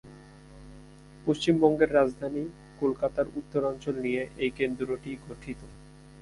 পশ্চিমবঙ্গের রাজধানী কলকাতার উত্তরাঞ্চল নিয়ে এই কেন্দ্রটি গঠিত।